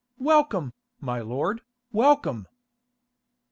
Welcome, my lord, welcome."